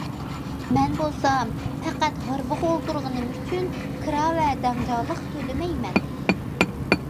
مەن بولسام، پەقەت ھارۋىغا ئولتۇرغىنىم ئۈچۈن كىرا ۋە دەڭجالىق تۆلىمەيمەن.